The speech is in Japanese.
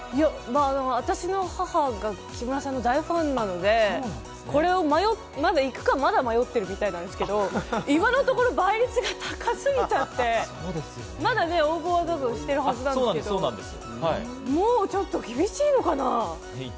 私の母が木村さんの大ファンなので、行くか、まだ迷っているみたいなんですけれども、今のところ倍率が高すぎちゃって、まだ応募はしているはずなんですけれども、もうちょっと厳しいのかな？